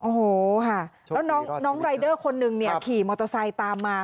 โอ้โหค่ะแล้วน้องรายเดอร์คนนึงเนี่ยขี่มอเตอร์ไซค์ตามมา